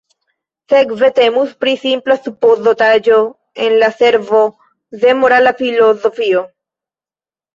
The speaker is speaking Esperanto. Sekve temus pri simpla supozotaĵo en la servo de morala filozofio.